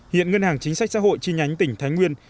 hiện ngân hàng chính sách xã hội chi nhánh tỉnh thái nguyên